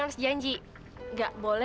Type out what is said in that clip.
oke siapa tadi